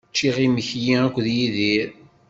Ččiɣ imekli akked Yidir.